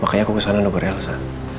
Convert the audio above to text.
makanya aku ke sana nungguin elsa